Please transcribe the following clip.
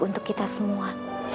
untuk kita semua